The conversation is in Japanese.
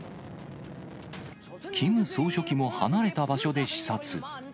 キム総書記も離れた場所で視察。